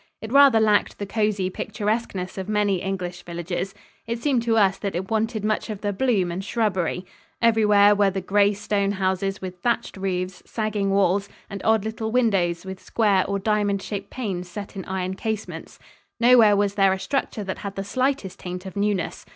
It rather lacked the cozy picturesqueness of many English villages. It seemed to us that it wanted much of the bloom and shrubbery. Everywhere were the gray stone houses with thatched roofs, sagging walls and odd little windows with square or diamond shaped panes set in iron casements. Nowhere was there a structure that had the slightest taint of newness.